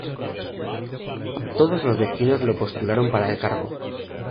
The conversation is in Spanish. Todos los vecinos lo postularon para el cargo.